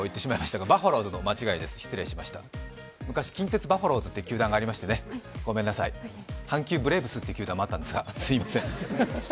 昔、近鉄バッファローズっていう球団がありましてね、阪急ブレーブスという球団もあったんですが、すみません。